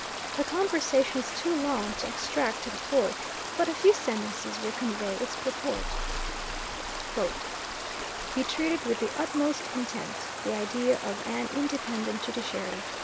The conversation is too long to extract in full, but a few sentences will convey its purport: "He treated with the utmost contempt the idea of an independent judiciary....